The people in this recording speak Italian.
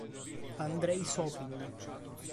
Andrej Sopin